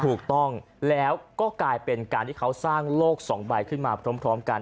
ถูกต้องแล้วก็กลายเป็นการที่เขาสร้างโลกสองใบขึ้นมาพร้อมกัน